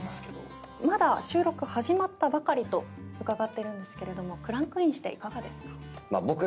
まだ収録始まったばかりと伺ってるんですがクランクインしていかがですか？